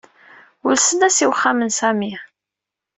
Ulsen-as i uxxam n Sami.